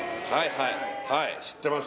はいはい知ってます